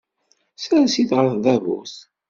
Ssers-it ɣef tdabut.